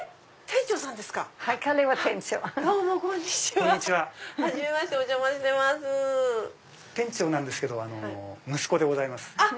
店長なんですけど息子でございます。